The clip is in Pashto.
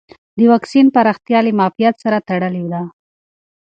د واکسین پراختیا له معافیت سره تړلې ده.